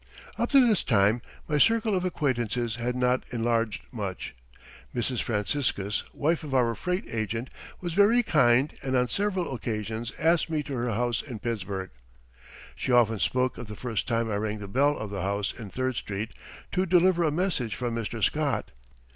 Up to this time my circle of acquaintances had not enlarged much. Mrs. Franciscus, wife of our freight agent, was very kind and on several occasions asked me to her house in Pittsburgh. She often spoke of the first time I rang the bell of the house in Third Street to deliver a message from Mr. Scott.